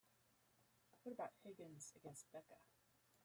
What about Higgins against Becca?